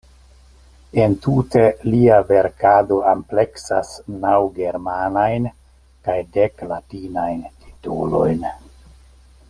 Entute lia verkado ampleksas naŭ germanajn kaj dek latinajn titolojn.